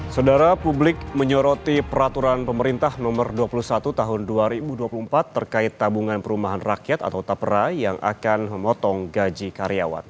saudara publik menyoroti peraturan pemerintah nomor dua puluh satu tahun dua ribu dua puluh empat terkait tabungan perumahan rakyat atau tapera yang akan memotong gaji karyawan